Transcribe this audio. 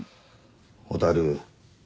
蛍。